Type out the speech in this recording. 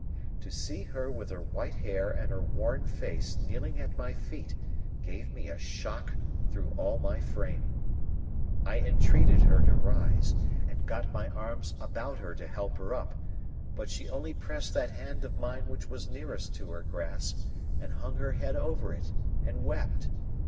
To see her with her white hair and her worn face kneeling at my feet gave me a shock through all my frame. I entreated her to rise, and got my arms about her to help her up; but she only pressed that hand of mine which was nearest to her grasp, and hung her head over it and wept.